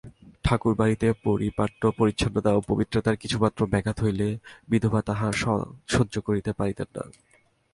ঠাকুরবাড়িতে পারিপাট্য পরিচ্ছন্নতা ও পবিত্রতার কিছুমাত্র ব্যাঘাত হইলে বিধবা তাহা সহ্য করিতে পারিতেন না।